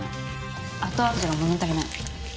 後味が物足りない。